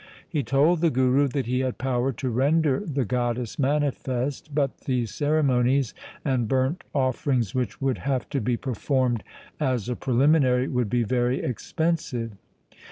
He told the Guru that he had power to render the goddess manifest, but the ceremonies and burnt offerings which would have to be performed as a preliminary would be very expensive.